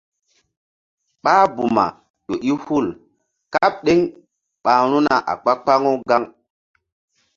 Ɓáh buma ƴo i hul kaɓ ɗeŋ ɓa ru̧na a kpa-kpaŋu gaŋ.